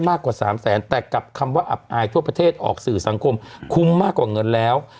มากกว่าสามแสนแต่กับคำว่าอับอายทั่วประเทศออกสื่อสังคมคุ้มมากกว่าเงินแล้ว